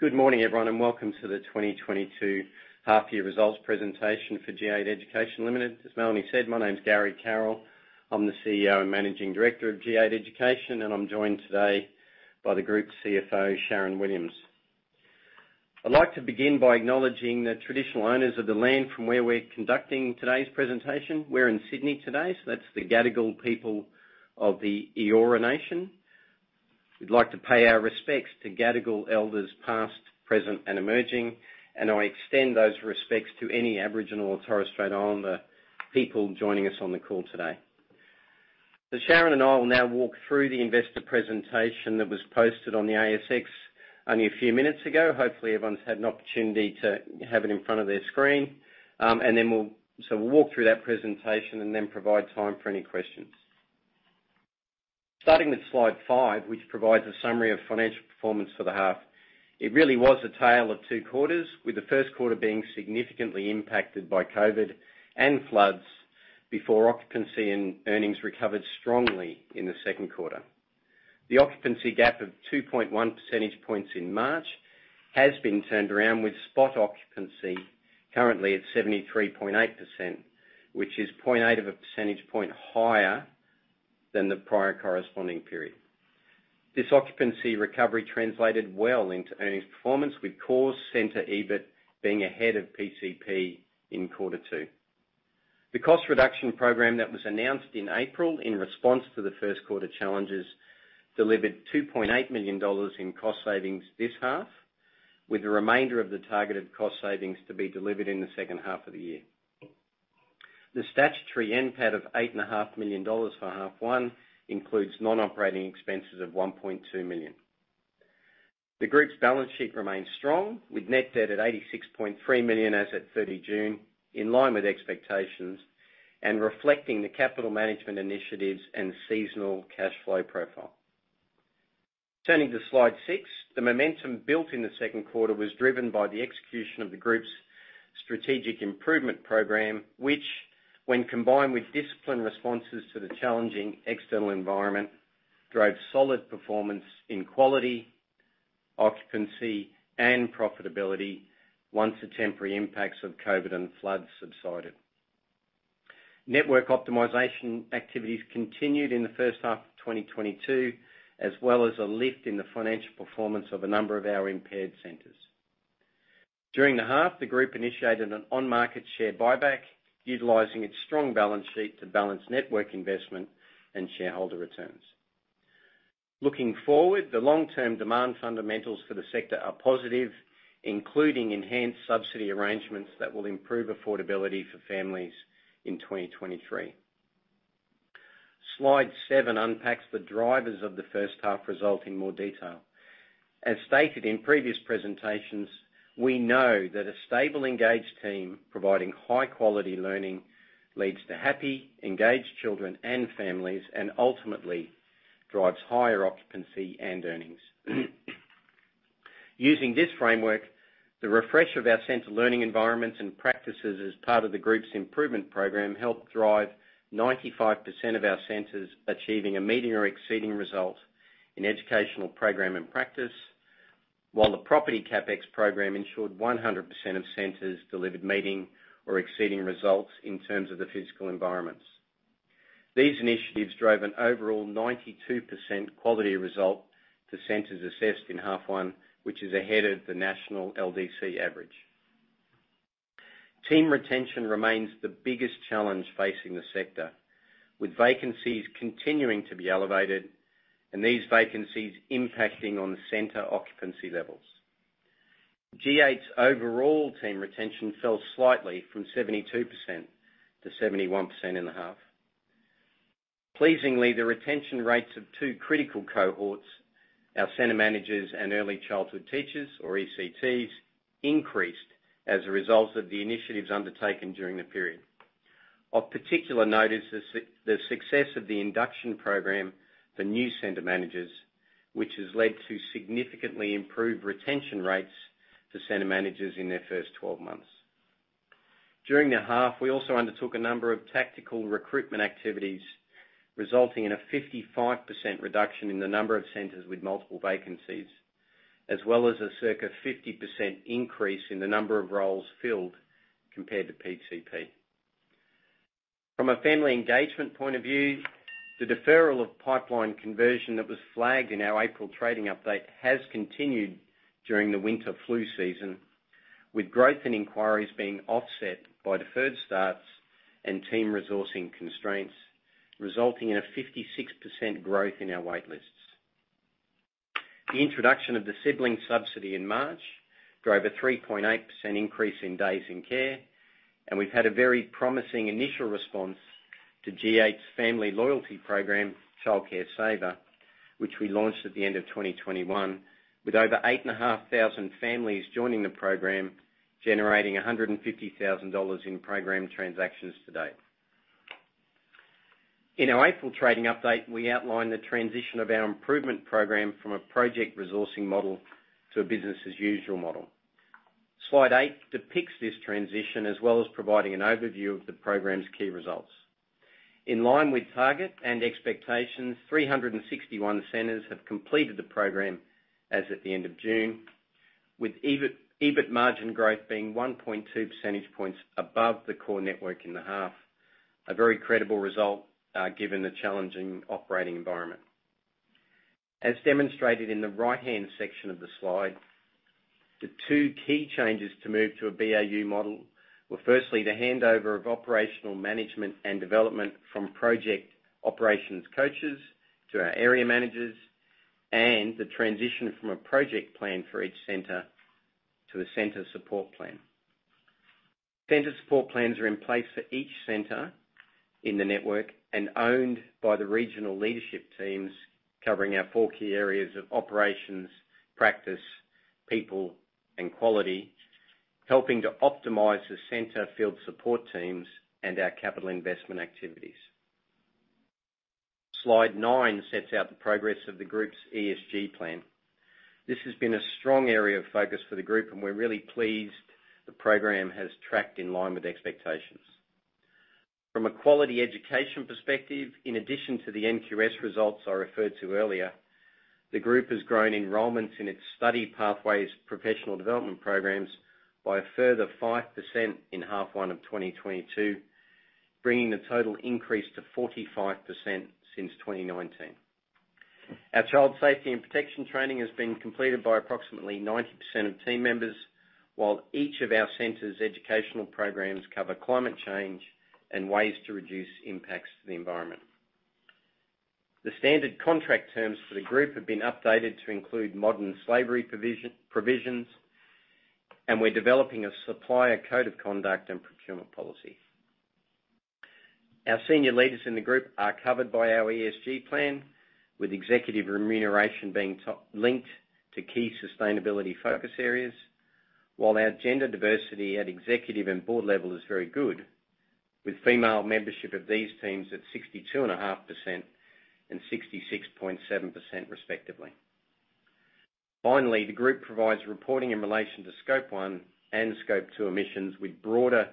Good morning, everyone, and welcome to the 2022 half year results presentation for G8 Education Limited. As Melanie said, my name's Gary Carroll. I'm the CEO and Managing Director of G8 Education, and I'm joined today by the group CFO, Sharyn Williams. I'd like to begin by acknowledging the traditional owners of the land from where we're conducting today's presentation. We're in Sydney today, so that's the Gadigal people of the Eora Nation. We'd like to pay our respects to Gadigal elders past, present, and emerging, and I extend those respects to any Aboriginal or Torres Strait Islander people joining us on the call today. Sharyn and I will now walk through the investor presentation that was posted on the ASX only a few minutes ago. Hopefully, everyone's had an opportunity to have it in front of their screen. We'll walk through that presentation and then provide time for any questions. Starting with slide five, which provides a summary of financial performance for the half. It really was a tale of two quarters, with the first quarter being significantly impacted by COVID and floods before occupancy and earnings recovered strongly in the second quarter. The occupancy gap of 2.1 percentage points in March has been turned around with spot occupancy currently at 73.8%, which is 0.8 of a percentage point higher than the prior corresponding period. This occupancy recovery translated well into earnings performance with Core Center EBIT being ahead of PCP in quarter two. The cost reduction program that was announced in April in response to the first quarter challenges delivered 2.8 million dollars in cost savings this half, with the remainder of the targeted cost savings to be delivered in the second half of the year. The statutory NPAT of 8.5 million dollars for half one includes non-operating expenses of 1.2 million. The group's balance sheet remains strong, with net debt at 86.3 million as at 30 June, in line with expectations and reflecting the capital management initiatives and seasonal cash flow profile. Turning to slide six, the momentum built in the second quarter was driven by the execution of the group's strategic improvement program, which when combined with disciplined responses to the challenging external environment, drove solid performance in quality, occupancy, and profitability once the temporary impacts of COVID and floods subsided. Network optimization activities continued in the first half of 2022, as well as a lift in the financial performance of a number of our impaired centers. During the half, the group initiated an on-market share buyback, utilizing its strong balance sheet to balance network investment and shareholder returns. Looking forward, the long-term demand fundamentals for the sector are positive, including enhanced subsidy arrangements that will improve affordability for families in 2023. Slide seven unpacks the drivers of the first half result in more detail. As stated in previous presentations, we know that a stable, engaged team providing high quality learning leads to happy, engaged children and families, and ultimately drives higher occupancy and earnings. Using this framework, the refresh of our center learning environments and practices as part of the group's improvement program helped drive 95% of our centers achieving a meeting or exceeding result in educational program and practice, while the property CapEx program ensured 100% of centers delivered meeting or exceeding results in terms of the physical environments. These initiatives drove an overall 92% quality result to centers assessed in half one, which is ahead of the national LDC average. Team retention remains the biggest challenge facing the sector, with vacancies continuing to be elevated and these vacancies impacting on the center occupancy levels. G8's overall team retention fell slightly from 72% to 71% in the half. Pleasingly, the retention rates of two critical cohorts, our center managers and early childhood teachers, or ECTs, increased as a result of the initiatives undertaken during the period. Of particular note is the success of the induction program for new center managers, which has led to significantly improved retention rates for center managers in their first 12 months. During the half, we also undertook a number of tactical recruitment activities, resulting in a 55% reduction in the number of centers with multiple vacancies, as well as a circa 50% increase in the number of roles filled compared to PCP. From a family engagement point of view, the deferral of pipeline conversion that was flagged in our April trading update has continued during the winter flu season, with growth and inquiries being offset by deferred starts and team resourcing constraints, resulting in a 56% growth in our wait lists. The introduction of the sibling subsidy in March drove a 3.8% increase in days in care, and we've had a very promising initial response to G8's family loyalty program, Childcare Saver, which we launched at the end of 2021, with over 8,500 families joining the program, generating 150,000 dollars in program transactions to date. In our April trading update, we outlined the transition of our improvement program from a project resourcing model to a business as usual model. Slide eight depicts this transition, as well as providing an overview of the program's key results. In line with target and expectations, 361 centers have completed the program as of the end of June, with EBIT margin growth being 1.2 percentage points above the core network in the half. A very credible result, given the challenging operating environment. As demonstrated in the right-hand section of the slide, the two key changes to move to a BAU model were firstly, the handover of operational management and development from project operations coaches to our area managers, and the transition from a project plan for each center to a center support plan. Center support plans are in place for each center in the network and owned by the regional leadership teams covering our four key areas of operations, practice, people, and quality, helping to optimize the center field support teams and our capital investment activities. Slide nine sets out the progress of the group's ESG plan. This has been a strong area of focus for the group, and we're really pleased the program has tracked in line with expectations. From a quality education perspective, in addition to the NQS results I referred to earlier, the group has grown enrollments in its study pathways professional development programs by a further 5% in half one of 2022, bringing the total increase to 45% since 2019. Our child safety and protection training has been completed by approximately 90% of team members, while each of our centers' educational programs cover climate change and ways to reduce impacts to the environment. The standard contract terms for the group have been updated to include modern slavery provisions, and we're developing a supplier code of conduct and procurement policy. Our senior leaders in the group are covered by our ESG plan, with executive remuneration being top-linked to key sustainability focus areas, while our gender diversity at executive and board level is very good, with female membership of these teams at 62.5% and 66.7% respectively. Finally, the group provides reporting in relation to Scope 1 and Scope 2 emissions, with broader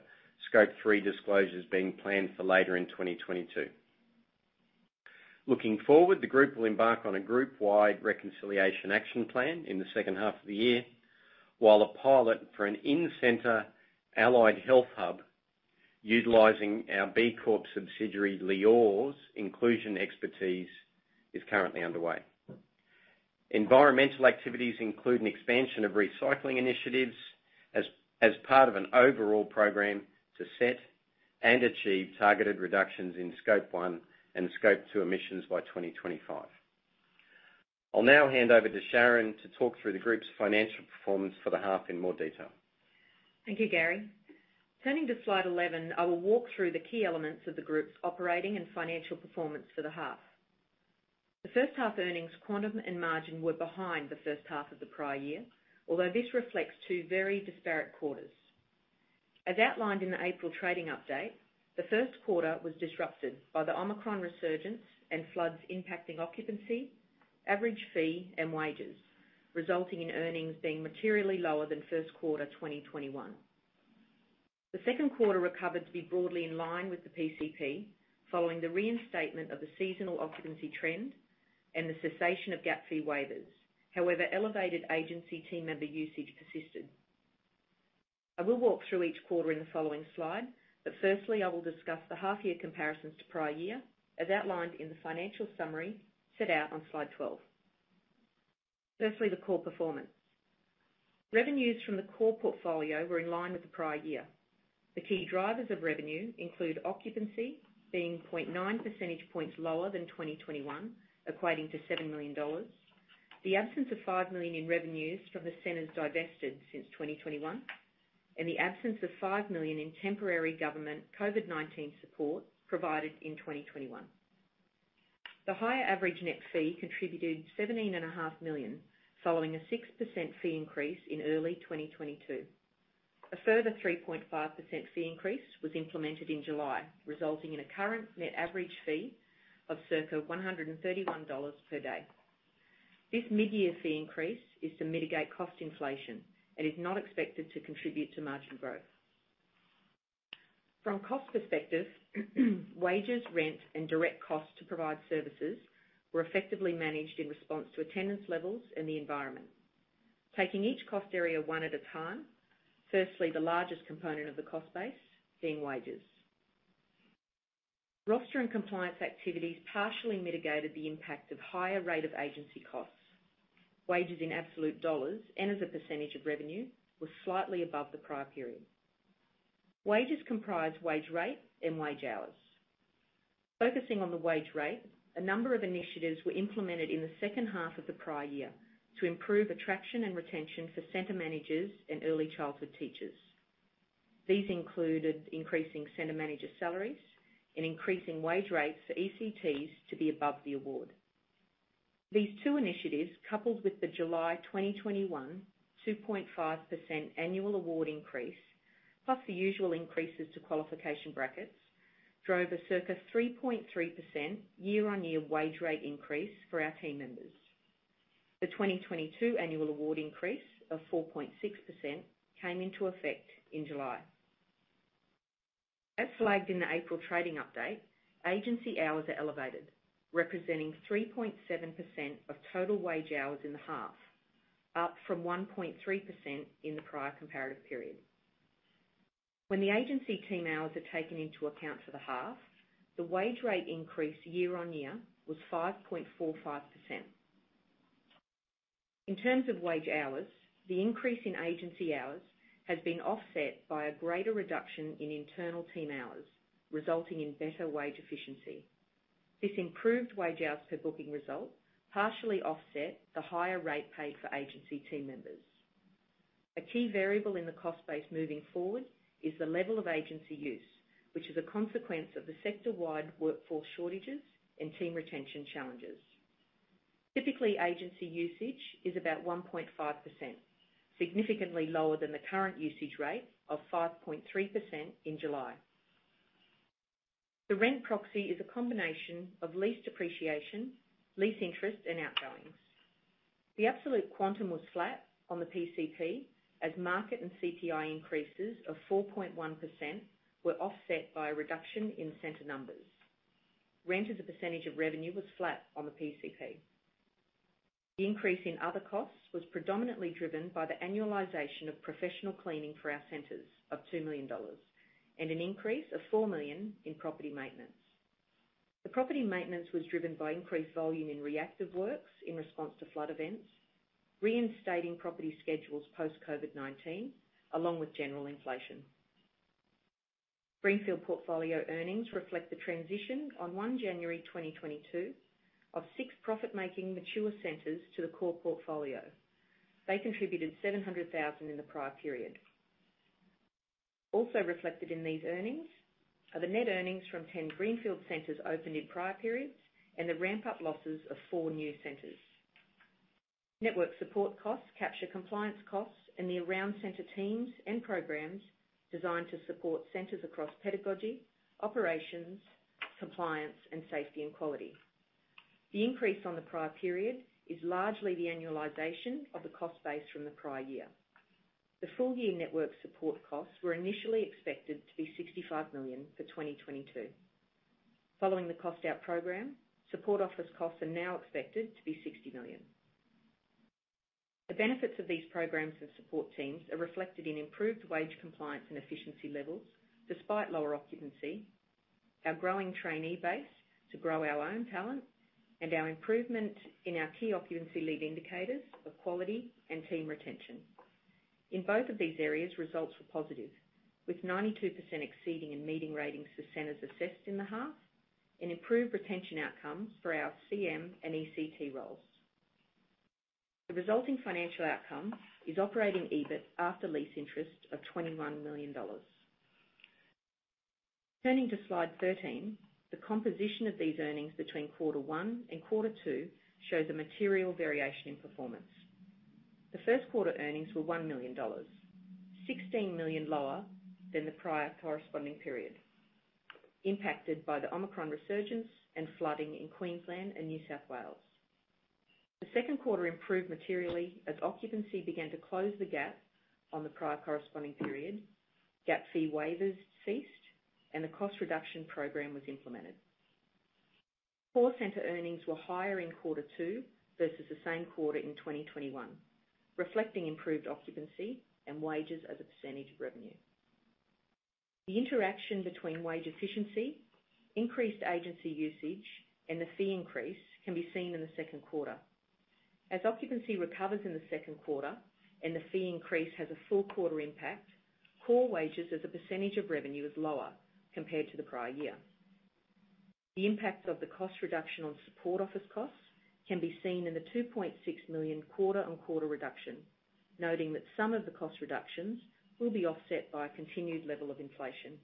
Scope 3 disclosures being planned for later in 2022. Looking forward, the group will embark on a group-wide Reconciliation Action Plan in the second half of the year, while a pilot for an in-center allied health hub utilizing our B Corp subsidiary, Leor's inclusion expertise is currently underway. Environmental activities include an expansion of recycling initiatives as part of an overall program to set and achieve targeted reductions in Scope 1 and Scope 2 emissions by 2025. I'll now hand over to Sharyn to talk through the group's financial performance for the half in more detail. Thank you, Gary. Turning to slide 11, I will walk through the key elements of the group's operating and financial performance for the half. The first half earnings quantum and margin were behind the first half of the prior year, although this reflects two very disparate quarters. As outlined in the April trading update, the first quarter was disrupted by the Omicron resurgence and floods impacting occupancy, average fee, and wages, resulting in earnings being materially lower than first quarter 2021. The second quarter recovered to be broadly in line with the PCP following the reinstatement of the seasonal occupancy trend and the cessation of gap fee waivers. However, elevated agency team member usage persisted. I will walk through each quarter in the following slide, but firstly, I will discuss the half year comparisons to prior year as outlined in the financial summary set out on slide 12. Firstly, the core performance. Revenues from the core portfolio were in line with the prior year. The key drivers of revenue include occupancy being 0.9 percentage points lower than 2021, equating to 7 million dollars, the absence of 5 million in revenues from the centers divested since 2021, and the absence of 5 million in temporary government COVID-19 support provided in 2021. The higher average net fee contributed 17.5 million, following a 6% fee increase in early 2022. A further 3.5% fee increase was implemented in July, resulting in a current net average fee of circa 131 dollars per day. This mid-year fee increase is to mitigate cost inflation and is not expected to contribute to margin growth. From cost perspective, wages, rent, and direct cost to provide services were effectively managed in response to attendance levels and the environment. Taking each cost area one at a time, firstly, the largest component of the cost base being wages. Roster and compliance activities partially mitigated the impact of higher rate of agency costs. Wages in absolute dollars and as a percentage of revenue were slightly above the prior period. Wages comprise wage rate and wage hours. Focusing on the wage rate, a number of initiatives were implemented in the second half of the prior year to improve attraction and retention for center managers and early childhood teachers. These included increasing center manager salaries and increasing wage rates for ECTs to be above the award. These two initiatives, coupled with the July 2021 2.5% annual award increase, plus the usual increases to qualification brackets. Drove a circa 3.3% year-on-year wage rate increase for our team members. The 2022 annual award increase of 4.6% came into effect in July. As flagged in the April trading update, agency hours are elevated, representing 3.7% of total wage hours in the half, up from 1.3% in the prior comparative period. When the agency team hours are taken into account for the half, the wage rate increase year-on-year was 5.45%. In terms of wage hours, the increase in agency hours has been offset by a greater reduction in internal team hours, resulting in better wage efficiency. This improved wage hours per booking result partially offset the higher rate paid for agency team members. A key variable in the cost base moving forward is the level of agency use, which is a consequence of the sector-wide workforce shortages and team retention challenges. Typically, agency usage is about 1.5%, significantly lower than the current usage rate of 5.3% in July. The rent proxy is a combination of lease depreciation, lease interest, and outgoings. The absolute quantum was flat on the PCP as market and CPI increases of 4.1% were offset by a reduction in center numbers. Rent as a percentage of revenue was flat on the PCP. The increase in other costs was predominantly driven by the annualization of professional cleaning for our centers of 2 million dollars and an increase of 4 million in property maintenance. The property maintenance was driven by increased volume in reactive works in response to flood events, reinstating property schedules post COVID-19, along with general inflation. Greenfield portfolio earnings reflect the transition on 1 January 2022 of six profit-making mature centers to the core portfolio. They contributed 700,000 in the prior period. Also reflected in these earnings are the net earnings from 10 Greenfield centers opened in prior periods and the ramp-up losses of four new centers. Network support costs capture compliance costs and the around center teams and programs designed to support centers across pedagogy, operations, compliance, and safety and quality. The increase on the prior period is largely the annualization of the cost base from the prior year. The full-year network support costs were initially expected to be 65 million for 2022. Following the cost-out program, support office costs are now expected to be 60 million. The benefits of these programs and support teams are reflected in improved wage compliance and efficiency levels despite lower occupancy, our growing trainee base to grow our own talent, and our improvement in our key occupancy lead indicators of quality and team retention. In both of these areas, results were positive, with 92% exceeding and meeting ratings for centers assessed in the half and improved retention outcomes for our CM and ECT roles. The resulting financial outcome is operating EBIT after lease interest of 21 million dollars. Turning to Slide 13, the composition of these earnings between quarter one and quarter two shows a material variation in performance. The first quarter earnings were 1 million dollars, 16 million lower than the prior corresponding period, impacted by the Omicron resurgence and flooding in Queensland and New South Wales. The second quarter improved materially as occupancy began to close the gap on the prior corresponding period, gap fee waivers ceased, and the cost reduction program was implemented. Core center earnings were higher in quarter two versus the same quarter in 2021, reflecting improved occupancy and wages as a percentage of revenue. The interaction between wage efficiency, increased agency usage, and the fee increase can be seen in the second quarter. As occupancy recovers in the second quarter and the fee increase has a full quarter impact, core wages as a percentage of revenue is lower compared to the prior year. The impact of the cost reduction on support office costs can be seen in the 2.6 million quarter-on-quarter reduction, noting that some of the cost reductions will be offset by a continued level of inflation.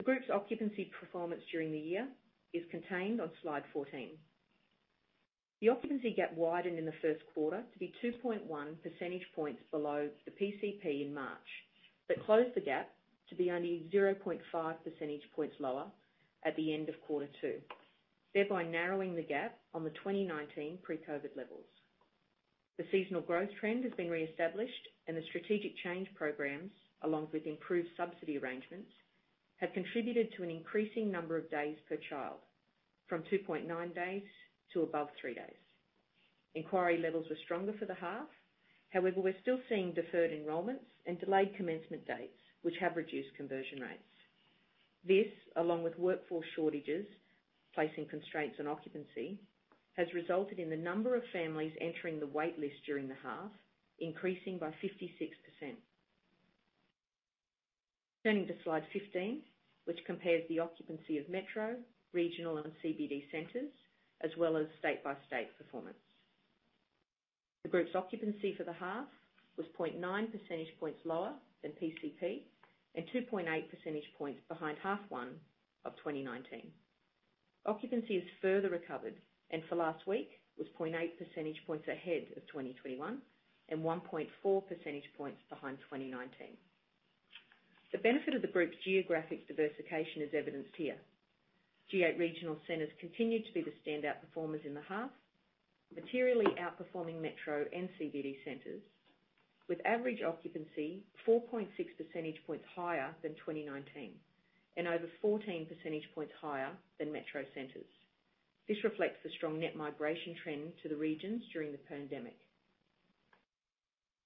The group's occupancy performance during the year is contained on Slide 14. The occupancy gap widened in the first quarter to be 2.1 percentage points below the PCP in March, but closed the gap to be only 0.5 percentage points lower at the end of quarter two, thereby narrowing the gap on the 2019 pre-COVID levels. The seasonal growth trend has been reestablished and the strategic change programs, along with improved subsidy arrangements, have contributed to an increasing number of days per child from 2.9 days to above three days. Inquiry levels were stronger for the half. However, we're still seeing deferred enrollments and delayed commencement dates, which have reduced conversion rates. This, along with workforce shortages, placing constraints on occupancy, has resulted in the number of families entering the wait list during the half, increasing by 56%. Turning to Slide 15, which compares the occupancy of metro, regional, and CBD centers, as well as state-by-state performance. The group's occupancy for the half was 0.9 percentage points lower than PCP and 2.8 percentage points behind half one of 2019. Occupancy has further recovered, and for last week was 0.8 percentage points ahead of 2021 and 1.4 percentage points behind 2019. The benefit of the group's geographic diversification is evidenced here. G8 regional centers continued to be the standout performers in the half, materially outperforming metro and CBD centers with average occupancy 4.6 percentage points higher than 2019 and over 14 percentage points higher than metro centers. This reflects the strong net migration trend to the regions during the pandemic.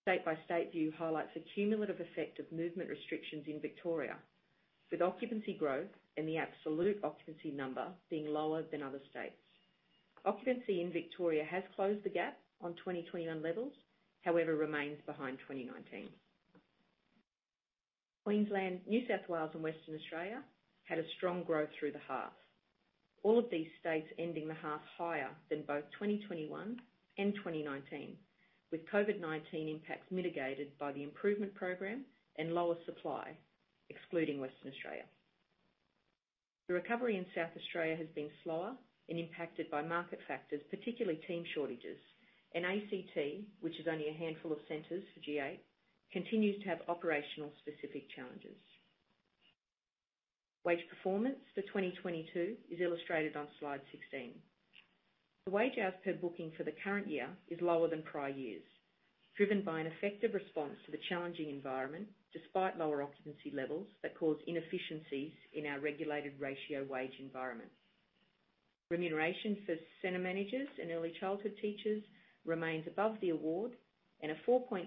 State by state view highlights the cumulative effect of movement restrictions in Victoria, with occupancy growth and the absolute occupancy number being lower than other states. Occupancy in Victoria has closed the gap on 2021 levels, however remains behind 2019. Queensland, New South Wales and Western Australia had a strong growth through the half. All of these states ending the half higher than both 2021 and 2019, with COVID-19 impacts mitigated by the improvement program and lower supply, excluding Western Australia. The recovery in South Australia has been slower and impacted by market factors, particularly team shortages. ACT, which is only a handful of centers for G8, continues to have operational specific challenges. Wage performance for 2022 is illustrated on slide 16. The wage hours per booking for the current year is lower than prior years, driven by an effective response to the challenging environment despite lower occupancy levels that cause inefficiencies in our regulated ratio wage environment. Remuneration for center managers and early childhood teachers remains above the award, and a 4.6%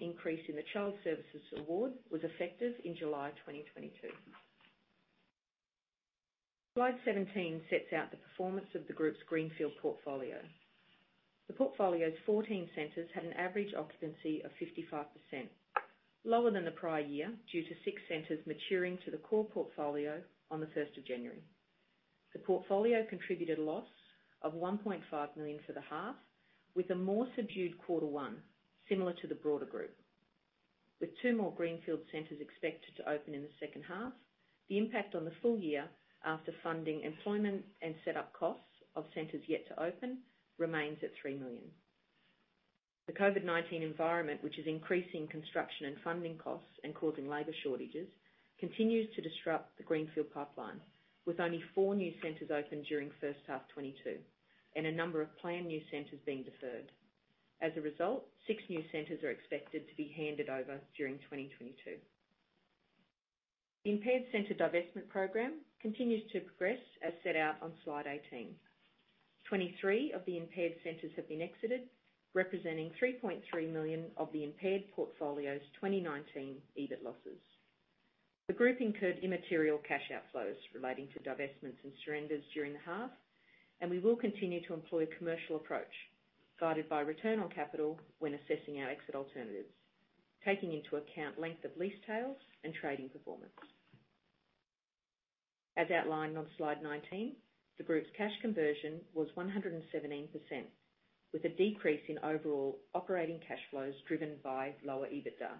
increase in the Children's Services Award was effective in July 2022. Slide 17 sets out the performance of the group's greenfield portfolio. The portfolio's 14 centers had an average occupancy of 55%, lower than the prior year, due to six centers maturing to the core portfolio on the first of January. The portfolio contributed a loss of 1.5 million for the half, with a more subdued quarter one similar to the broader group. With 2 more Greenfield centers expected to open in the second half, the impact on the full year after funding employment and setup costs of centers yet to open remains at 3 million. The COVID-19 environment, which is increasing construction and funding costs and causing labor shortages, continues to disrupt the greenfield pipeline. With only four new centers open during first half 2022 and a number of planned new centers being deferred. As a result, six new centers are expected to be handed over during 2022. The impaired center divestment program continues to progress, as set out on slide 18. 23 of the impaired centers have been exited, representing 3.3 million of the impaired portfolio's 2019 EBIT losses. The group incurred immaterial cash outflows relating to divestments and surrenders during the half, and we will continue to employ a commercial approach guided by return on capital when assessing our exit alternatives, taking into account length of lease tails and trading performance. As outlined on slide 19, the group's cash conversion was 117%, with a decrease in overall operating cash flows driven by lower EBITDA.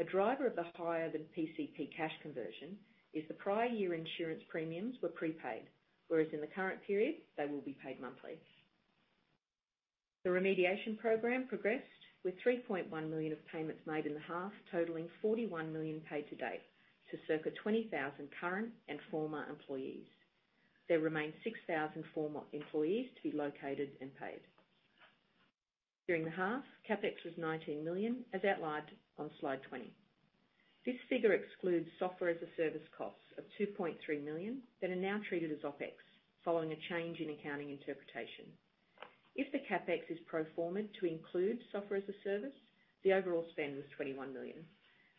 A driver of the higher than PCP cash conversion is the prior year insurance premiums were prepaid, whereas in the current period they will be paid monthly. The remediation program progressed with 3.1 million of payments made in the half, totaling 41 million paid to date to circa 20,000 current and former employees. There remains 6,000 former employees to be located and paid. During the half, CapEx was 19 million, as outlined on slide 20. This figure excludes software as a service costs of 2.3 million that are now treated as OpEx following a change in accounting interpretation. If the CapEx is pro forma to include software as a service, the overall spend was 21 million.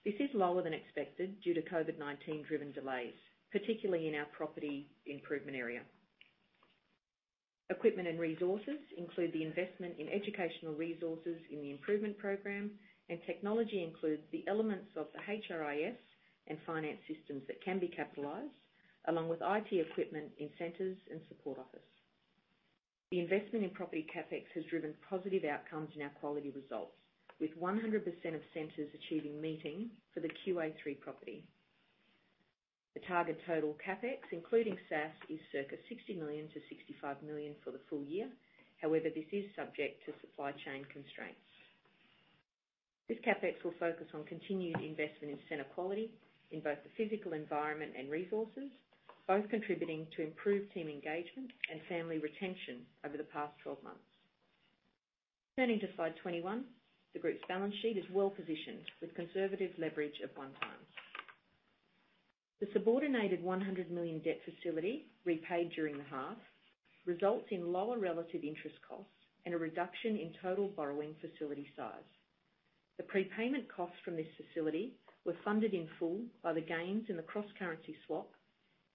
This is lower than expected due to COVID-19 driven delays, particularly in our property improvement area. Equipment and resources include the investment in educational resources in the improvement program, and technology includes the elements of the HRIS and finance systems that can be capitalized along with IT equipment in centers and support office. The investment in property CapEx has driven positive outcomes in our quality results, with 100% of centers achieving meeting for the QA3 property. The target total CapEx, including SaaS, is circa 60 million-65 million for the full year. However, this is subject to supply chain constraints. This CapEx will focus on continuing investment in center quality in both the physical environment and resources, both contributing to improved team engagement and family retention over the past 12 months. Turning to slide 21, the group's balance sheet is well positioned with conservative leverage of 1x. The subordinated 100 million debt facility repaid during the half results in lower relative interest costs and a reduction in total borrowing facility size. The prepayment costs from this facility were funded in full by the gains in the cross-currency swap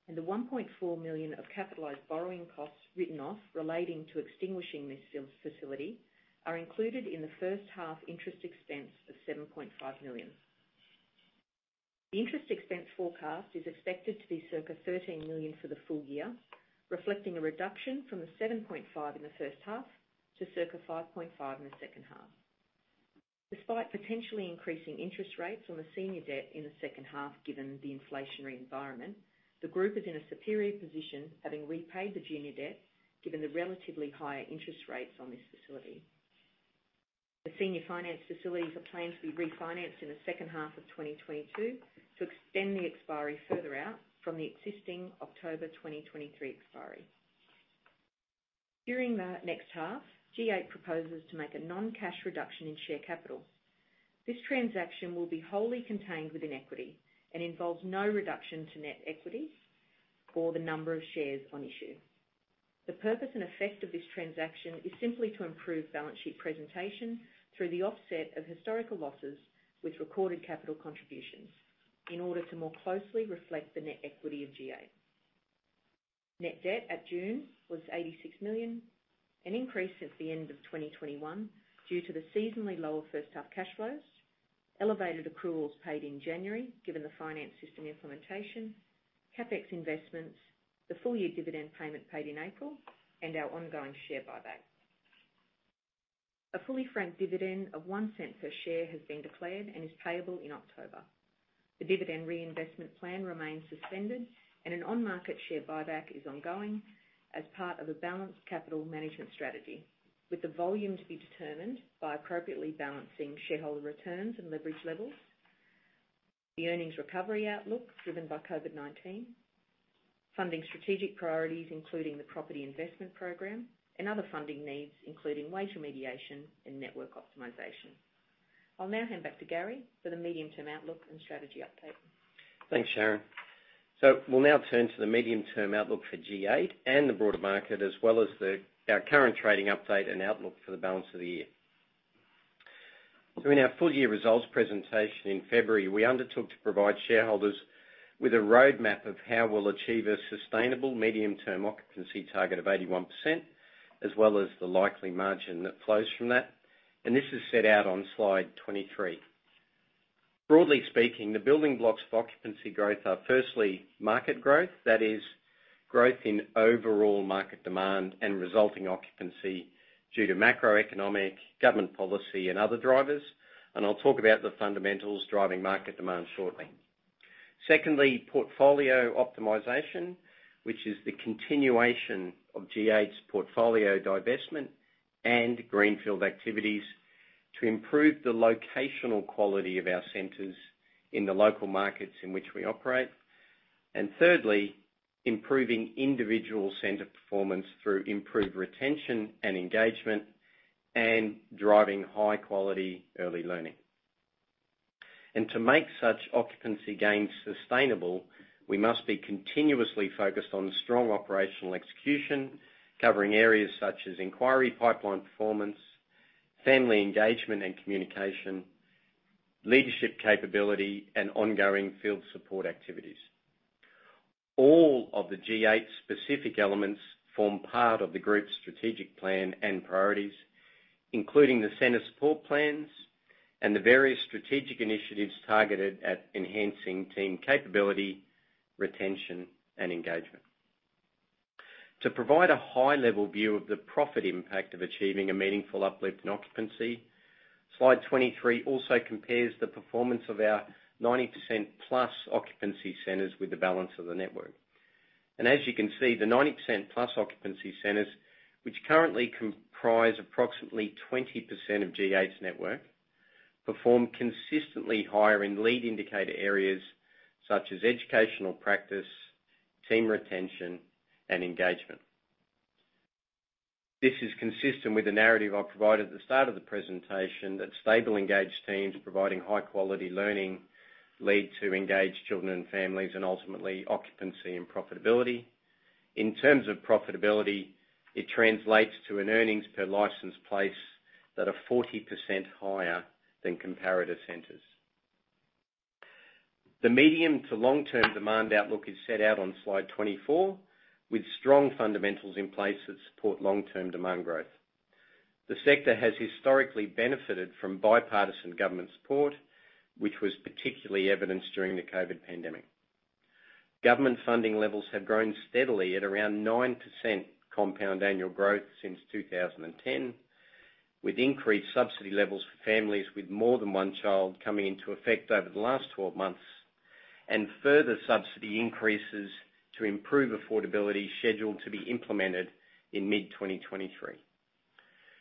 and the 1.4 million of capitalized borrowing costs written off relating to extinguishing this facility are included in the first half interest expense of 7.5 million. The interest expense forecast is expected to be circa 13 million for the full year, reflecting a reduction from the 7.5 million in the first half to circa 5.5 million in the second half. Despite potentially increasing interest rates on the senior debt in the second half, given the inflationary environment, the group is in a superior position having repaid the junior debt given the relatively higher interest rates on this facility. The senior finance facilities are planned to be refinanced in the second half of 2022 to extend the expiry further out from the existing October 2023 expiry. During the next half, G8 proposes to make a non-cash reduction in share capital. This transaction will be wholly contained within equity and involves no reduction to net equity or the number of shares on issue. The purpose and effect of this transaction is simply to improve balance sheet presentation through the offset of historical losses with recorded capital contributions in order to more closely reflect the net equity of G8. Net-debt at June was 86 million, an increase since the end of 2021 due to the seasonally lower first half cash flows, elevated accruals paid in January, given the finance system implementation, CapEx investments, the full-year dividend payment paid in April, and our ongoing share buyback. A fully franked dividend of 0.01 per share has been declared and is payable in October. The dividend reinvestment plan remains suspended, and an on-market share buyback is ongoing as part of a balanced capital management strategy, with the volume to be determined by appropriately balancing shareholder returns and leverage levels, the earnings recovery outlook driven by COVID-19, funding strategic priorities, including the property investment program and other funding needs, including wage remediation and network optimization. I'll now hand back to Gary for the medium-term outlook and strategy update. Thanks, Sharyn. We'll now turn to the medium-term outlook for G8 and the broader market, as well as our current trading update and outlook for the balance of the year. In our full-year results presentation in February, we undertook to provide shareholders with a roadmap of how we'll achieve a sustainable medium-term occupancy target of 81%, as well as the likely margin that flows from that, and this is set out on slide 23. Broadly speaking, the building blocks of occupancy growth are, firstly, market growth. That is growth in overall market demand and resulting occupancy due to macroeconomic government policy and other drivers, and I'll talk about the fundamentals driving market demand shortly. Secondly, portfolio optimization, which is the continuation of G8's portfolio divestment and Greenfield activities to improve the locational quality of our centers in the local markets in which we operate. Thirdly, improving individual center performance through improved retention and engagement, and driving high-quality early learning. To make such occupancy gains sustainable, we must be continuously focused on strong operational execution, covering areas such as inquiry, pipeline performance, family engagement and communication, leadership capability, and ongoing field support activities. All of the G8 specific elements form part of the group's strategic plan and priorities, including the center support plans and the various strategic initiatives targeted at enhancing team capability, retention, and engagement. To provide a high-level view of the profit impact of achieving a meaningful uplift in occupancy, slide 23 also compares the performance of our 90% plus occupancy centers with the balance of the network. As you can see, the 90%+ occupancy centers, which currently comprise approximately 20% of G8's network, perform consistently higher in lead indicator areas such as educational practice, team retention, and engagement. This is consistent with the narrative I provided at the start of the presentation that stable, engaged teams providing high-quality learning lead to engaged children and families, and ultimately, occupancy and profitability. In terms of profitability, it translates to an earnings per licensed place that are 40% higher than comparator centers. The medium to long-term demand outlook is set out on slide 24, with strong fundamentals in place that support long-term demand growth. The sector has historically benefited from bipartisan government support, which was particularly evidenced during the COVID pandemic. Government funding levels have grown steadily at around 9% compound annual growth since 2010, with increased subsidy levels for families with more than one child coming into effect over the last 12 months, and further subsidy increases to improve affordability scheduled to be implemented in mid-2023.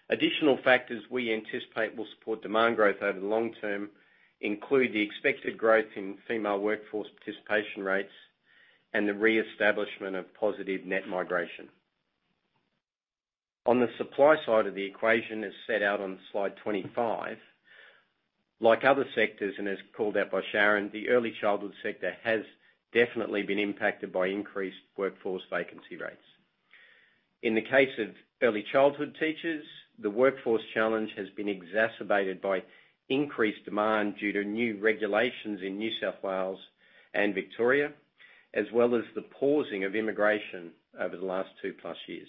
Additional factors we anticipate will support demand growth over the long term include the expected growth in female workforce participation rates and the reestablishment of positive net migration. On the supply side of the equation, as set out on slide 25, like other sectors, and as called out by Sharyn, the early childhood sector has definitely been impacted by increased workforce vacancy rates. In the case of early childhood teachers, the workforce challenge has been exacerbated by increased demand due to new regulations in New South Wales and Victoria, as well as the pausing of immigration over the last two plus years.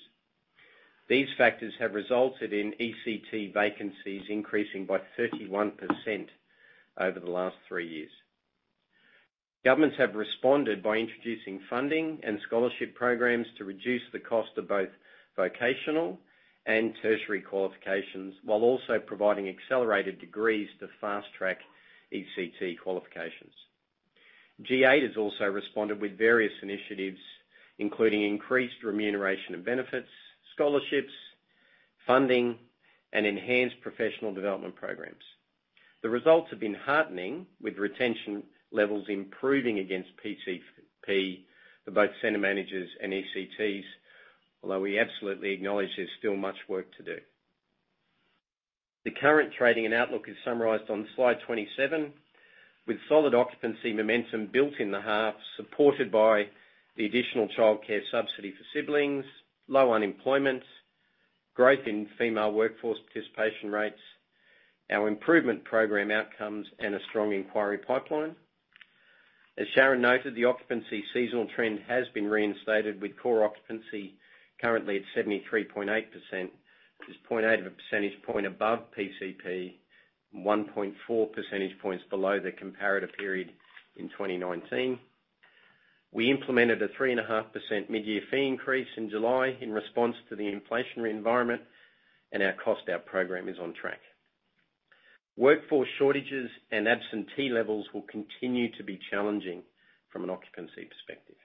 These factors have resulted in ECT vacancies increasing by 31% over the last three years. Governments have responded by introducing funding and scholarship programs to reduce the cost of both vocational and tertiary qualifications, while also providing accelerated degrees to fast-track ECT qualifications. G8 has also responded with various initiatives, including increased remuneration and benefits, scholarships, funding, and enhanced professional development programs. The results have been heartening, with retention levels improving against PCP for both center managers and ECTs, although we absolutely acknowledge there's still much work to do. The current trading and outlook is summarized on slide 27. With solid occupancy momentum built in the half, supported by the additional childcare subsidy for siblings, low unemployment, growth in female workforce participation rates, our improvement program outcomes, and a strong inquiry pipeline. As Sharyn noted, the occupancy seasonal trend has been reinstated, with core occupancy currently at 73.8%, which is 0.8 of a percentage point above PCP, and 1.4 percentage points below the comparator period in 2019. We implemented a 3.5% mid-year fee increase in July in response to the inflationary environment, and our cost out program is on track. Workforce shortages and absentee levels will continue to be challenging from an occupancy perspective.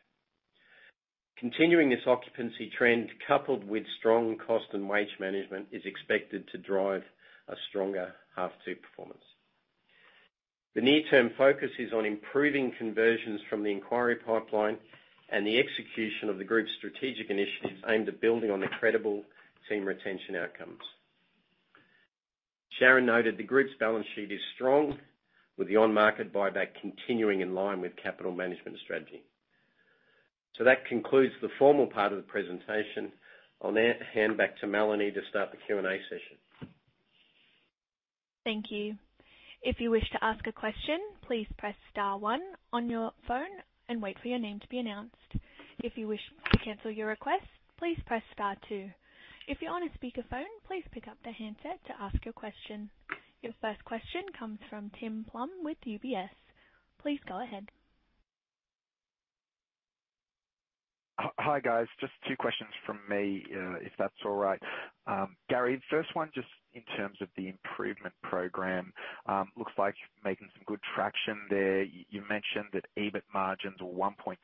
Continuing this occupancy trend, coupled with strong cost and wage management, is expected to drive a stronger half two performance. The near-term focus is on improving conversions from the inquiry pipeline and the execution of the group's strategic initiatives aimed at building on the credible team retention outcomes. Sharyn noted the group's balance sheet is strong, with the on-market buyback continuing in line with capital management strategy. That concludes the formal part of the presentation. I'll now hand back to Melanie to start the Q&A session. Thank you. If you wish to ask a question, please press star one on your phone and wait for your name to be announced. If you wish to cancel your request, please press star two. If you're on a speakerphone, please pick up the handset to ask your question. Your first question comes from Tim Plumbe with UBS. Please go ahead. Hi, guys. Just two questions from me, if that's all right. Gary, the first one just in terms of the improvement program, looks like making some good traction there. You mentioned that EBIT margins were 1.2%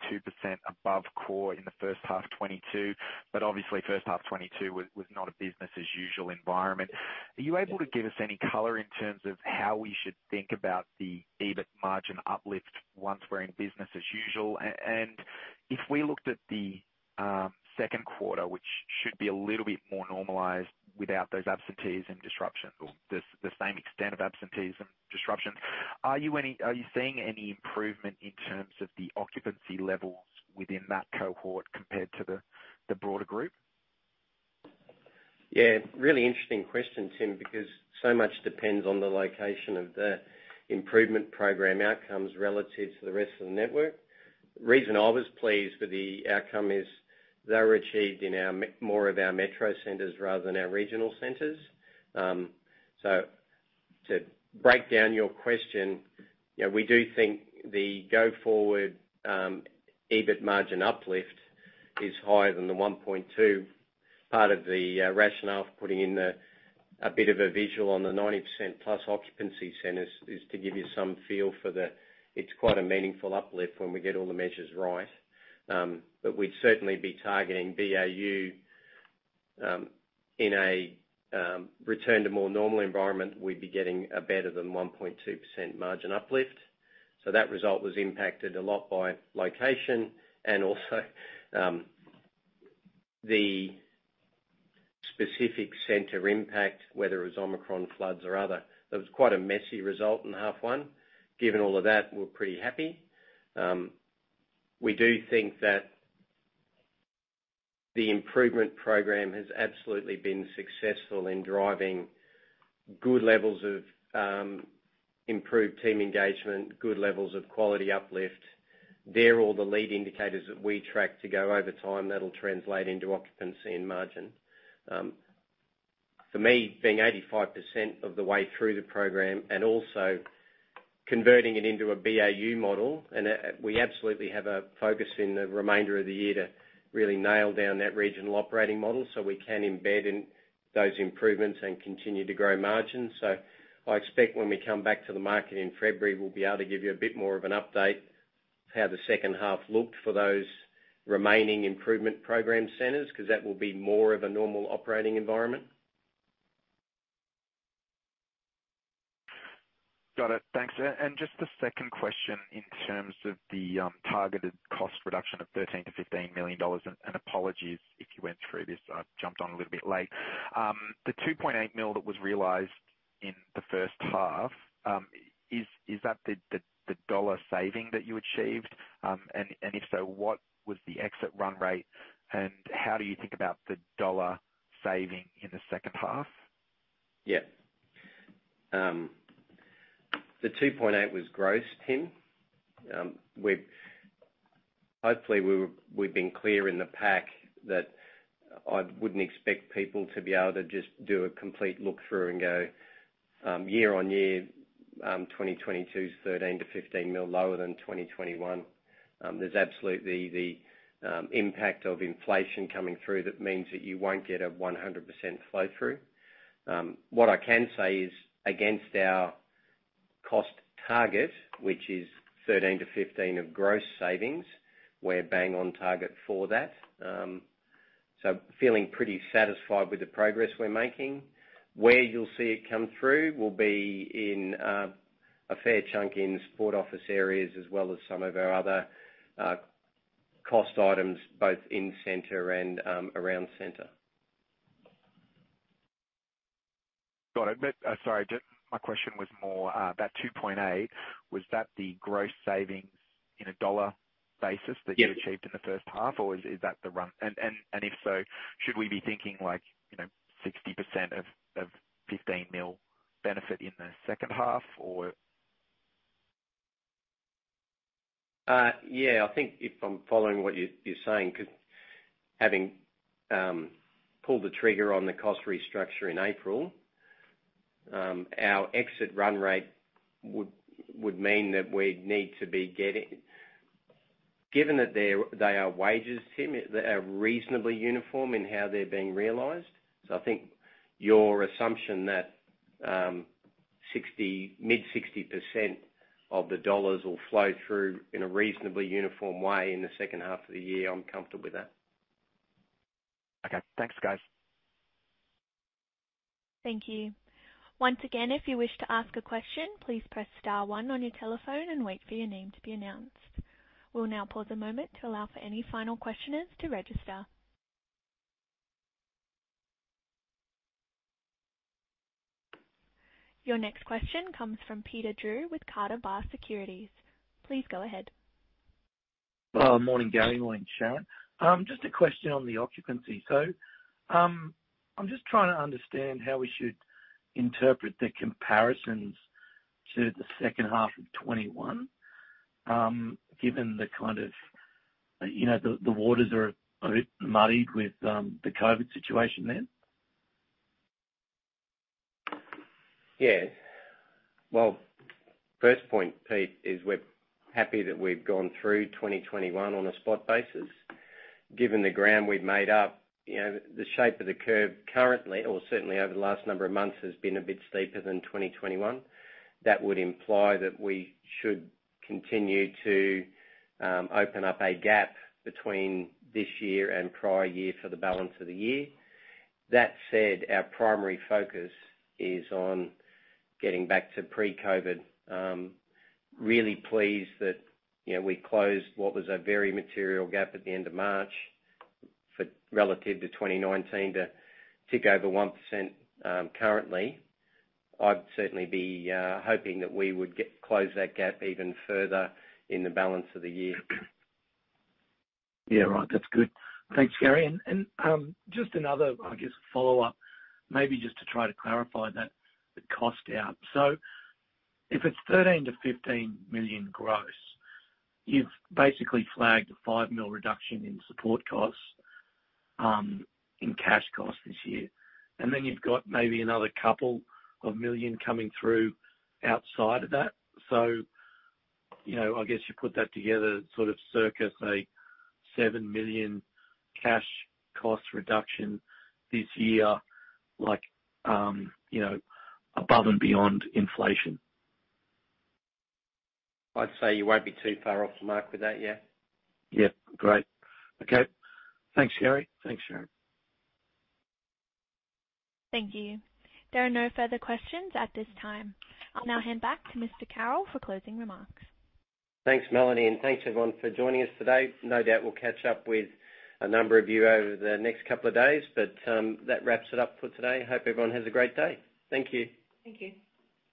above core in the first half 2022, but obviously first half 2022 was not a business as usual environment. Are you able to give us any color in terms of how we should think about the EBIT margin uplift once we're in business as usual? And if we looked at the second quarter, which should be a little bit more normalized without those absentees and disruption or the same extent of absentees and disruption, are you seeing any improvement in terms of the occupancy levels within that cohort compared to the broader group? Yeah, really interesting question, Tim, because so much depends on the location of the improvement program outcomes relative to the rest of the network. The reason I was pleased with the outcome is they were achieved in our more of our metro centers rather than our regional centers. To break down your question, you know, we do think the go-forward EBIT margin uplift is higher than the 1.2%. Part of the rationale of putting in a bit of a visual on the 90%+ occupancy centers is to give you some feel for the. It's quite a meaningful uplift when we get all the measures right. We'd certainly be targeting BAU in a return to more normal environment, we'd be getting a better than 1.2% margin uplift. That result was impacted a lot by location and also, the specific center impact, whether it was Omicron, floods, or other. That was quite a messy result in half one. Given all of that, we're pretty happy. We do think that the improvement program has absolutely been successful in driving good levels of, improved team engagement, good levels of quality uplift. They're all the lead indicators that we track to go over time that'll translate into occupancy and margin. For me, being 85% of the way through the program and also converting it into a BAU model, and, we absolutely have a focus in the remainder of the year to really nail down that regional operating model so we can embed in those improvements and continue to grow margins. I expect when we come back to the market in February, we'll be able to give you a bit more of an update how the second half looked for those remaining improvement program centers, 'cause that will be more of a normal operating environment. Got it. Thanks. Just the second question in terms of the targeted cost reduction of 13 million-15 million dollars, and apologies if you went through this. I jumped on a little bit late. The 2.8 million that was realized in the first half, is that the dollar saving that you achieved? If so, what was the exit run rate, and how do you think about the dollar saving in the second half? Yeah. The 2.8 million was gross, Tim. Hopefully we've been clear in the pack that I wouldn't expect people to be able to just do a complete look through and go, year-on-year, 2022's 13 million-15 millionlower than 2021. There's absolutely the impact of inflation coming through. That means that you won't get a 100% flow through. What I can say is against our cost target, which is 13 million-15 million of gross savings, we're bang on target for that. Feeling pretty satisfied with the progress we're making. Where you'll see it come through will be in a fair chunk in support office areas as well as some of our other cost items both in center and around center. Got it. Sorry, just my question was more, that 2.8 million, was that the gross savings in a dollar basis? Yes. that you achieved in the first half or is that the run? If so, should we be thinking like, you know, 60% of 15 million benefit in the second half or? Yeah. I think if I'm following what you're saying, 'cause having pulled the trigger on the cost restructure in April, our exit run-rate would mean that we'd need to be getting. Given that they are wages, Tim, they are reasonably uniform in how they're being realized. I think your assumption that mid-60% of the dollars will flow through in a reasonably uniform way in the second half of the year, I'm comfortable with that. Okay. Thanks, guys. Thank you. Once again, if you wish to ask a question, please press star one on your telephone and wait for your name to be announced. We'll now pause a moment to allow for any final questioners to register. Your next question comes from Peter Drew with Carter Bar Securities. Please go ahead. Morning, Gary. Morning, Sharyn. Just a question on the occupancy. I'm just trying to understand how we should interpret the comparisons to the second half of 2021, given the kind of, you know, the waters are a bit muddied with the COVID situation then? Yeah. Well, first point, Pete, is we're happy that we've gone through 2021 on a spot basis. Given the ground we've made up, you know, the shape of the curve currently or certainly over the last number of months, has been a bit steeper than 2021. That would imply that we should continue to open up a gap between this year and prior year for the balance of the year. That said, our primary focus is on getting back to pre-COVID. Really pleased that, you know, we closed what was a very material gap at the end of March for relative to 2019 to tick over 1%, currently. I'd certainly be hoping that we would get close that gap even further in the balance of the year. Yeah. Right. That's good. Thanks, Gary. Just another, I guess, follow-up, maybe just to try to clarify that, the cost out. If it's 13 million-15 million gross, you've basically flagged a 5 million reduction in support costs in cash costs this year. You've got maybe another 2 million coming through outside of that. You know, I guess you put that together, sort of comes to a 7 million cash cost reduction this year, like, you know, above and beyond inflation. I'd say you won't be too far off the mark with that, yeah. Yeah. Great. Okay. Thanks, Gary. Thanks, Sharyn. Thank you. There are no further questions at this time. I'll now hand back to Mr. Carroll for closing remarks. Thanks, Melanie. Thanks, everyone, for joining us today. No doubt we'll catch up with a number of you over the next couple of days, but that wraps it up for today. Hope everyone has a great day. Thank you. Thank you.